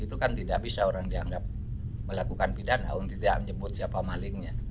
itu kan tidak bisa orang dianggap melakukan pidana untuk tidak menyebut siapa malingnya